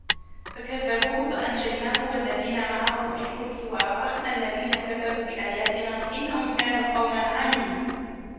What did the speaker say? فكذبوه فأنجيناه والذين معه في الفلك وأغرقنا الذين كذبوا بآياتنا إنهم كانوا قوما عمين